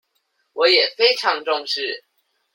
我也非常重視